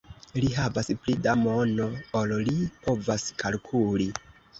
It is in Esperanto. Li havas pli da mono, ol li povas kalkuli.